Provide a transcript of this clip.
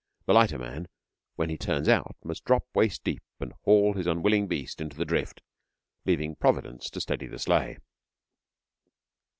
The lighter man when he turns out must drop waist deep and haul his unwilling beast into the drift, leaving Providence to steady the sleigh.